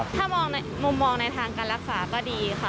แต่ว่าถ้ามุมมองในทางการรักษาก็ดีค่ะ